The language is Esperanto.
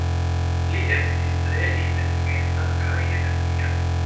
Li estis tre inteligenta kaj energia.